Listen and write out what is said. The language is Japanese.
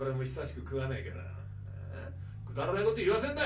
くだらねえこと言わせんな！